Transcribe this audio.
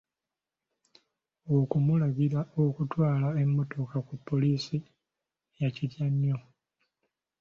Okumulagira okutwala emmotoka ku poliisi yakitya nnyo.